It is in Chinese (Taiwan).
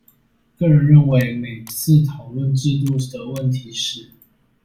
個人認為每次討論制度的問題時